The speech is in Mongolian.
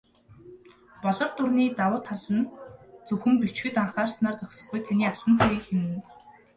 "Болор дуран"-ийн давуу тал зөвхөн зөв бичихэд анхаарснаар зогсохгүй, таны алтан цагийг хэмнэнэ.